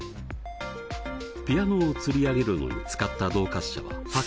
ピアノをつり上げるのに使った動滑車は８個。